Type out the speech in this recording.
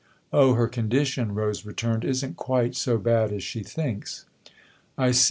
" Oh, her condition," Rose returned, " isn't quite so bad as she thinks." "I see."